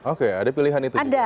oke ada pilihan yang ada